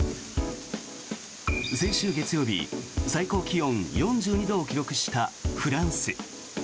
先週月曜日、最高気温４２度を記録したフランス。